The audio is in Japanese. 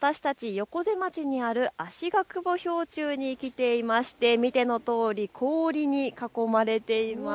横瀬町にあるあしがくぼ氷柱に来ていまして見てのとおり氷に囲まれています。